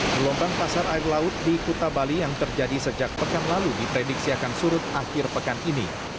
gelombang pasar air laut di kuta bali yang terjadi sejak pekan lalu diprediksi akan surut akhir pekan ini